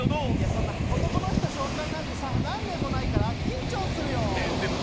そんな、男の人紹介なんてさ何年もないから緊張するよ。